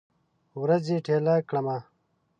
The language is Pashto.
ورځې ټیله کړم